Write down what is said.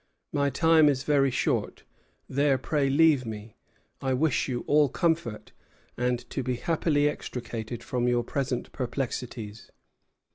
My time is very short; therefore pray leave me. I wish you all comfort, and to be happily extricated from your present perplexities."